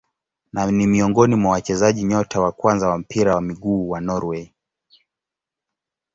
Na ni miongoni mwa wachezaji nyota wa kwanza wa mpira wa miguu wa Norway.